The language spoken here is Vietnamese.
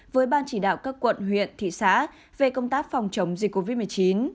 với ban chỉ đạo các quận huyện thị xã về công tác phòng chống dịch covid một mươi chín